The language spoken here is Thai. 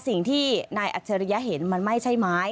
สิ่งที่นายอัจฉริยะเห็นมันไม่ใช่ไม้